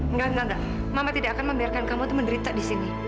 nggak nanda mama tidak akan membiarkan kamu menderita di sini